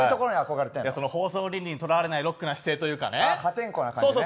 放送倫理に捉われないロックな姿勢とかね。